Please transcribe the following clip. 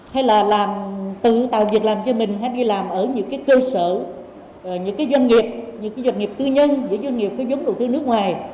hay là làm tự tạo việc làm cho mình hay đi làm ở những cái cơ sở những cái doanh nghiệp những cái doanh nghiệp tư nhân những doanh nghiệp cái giống đầu tư nước ngoài